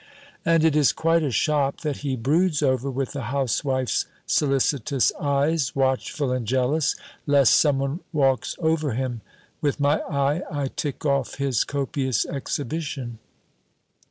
And it is quite a shop that he broods over with a housewife's solicitous eyes, watchful and jealous, lest some one walks over him. With my eye I tick off his copious exhibition.